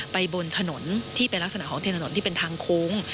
บนถนนที่เป็นลักษณะของเทนถนนที่เป็นทางโค้ง